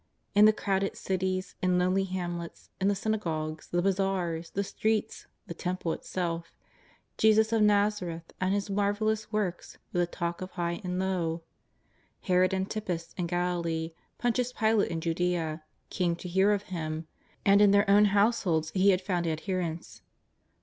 In the crowded cities, in lonely hamlets, in the synagogues, the bazaars, the streets, the Temple itself, Jesus of Nazareth and His marvellous works were the talk of high and low. Herod Antipas in Galilee, Pontius Pilate in Judea, came to hear of Him, and in their own households He had found adherents.